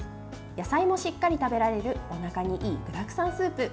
野菜もしっかり食べられるおなかにいい具だくさんスープ。